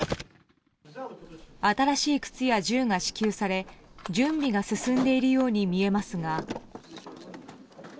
新しい靴や銃が支給され準備が進んでいるように見えますが。